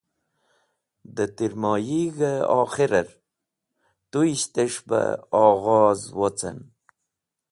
Dẽ Tirmoyig̃h-e okhirer, tuyishtes̃h be oghoz wocen.